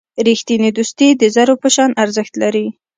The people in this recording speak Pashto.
رښتینی دوستي د زرو په شان ارزښت لري.